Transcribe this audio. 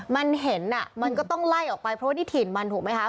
มันเห็นอ่ะมันก็ต้องไล่ออกไปเพราะว่านี่ถิ่นมันถูกไหมคะ